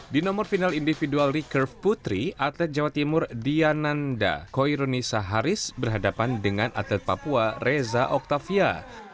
di nomor final individual recurve putri atlet jawa timur diananda koirunisa haris berhadapan dengan atlet papua reza octavia